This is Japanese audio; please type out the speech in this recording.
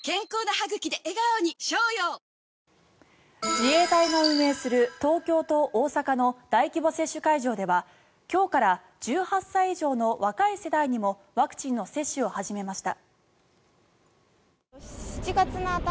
自衛隊が運営する東京と大阪の大規模接種会場では今日から１８歳以上の若い世代にもワクチンの接種を始めました。